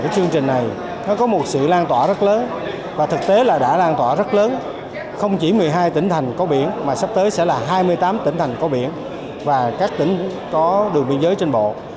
chương trình này có một sự lan tỏa rất lớn và thực tế là đã lan tỏa rất lớn không chỉ một mươi hai tỉnh thành có biển mà sắp tới sẽ là hai mươi tám tỉnh thành có biển và các tỉnh có đường biên giới trên bộ